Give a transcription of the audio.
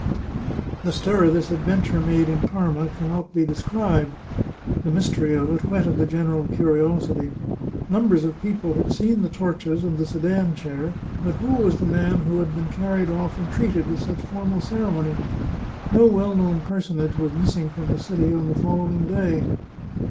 The stir this adventure made in Parma can not be described. The mystery of it whetted the general curiosity. Numbers of people had seen the torches and the sedan chair, but who was the man who had been carried off and treated with such formal ceremony? No well known personage was missing from the city on the fol lowing day.